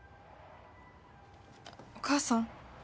お母さん。